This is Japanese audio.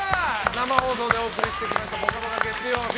生放送でお送りしてきました「ぽかぽか」月曜日。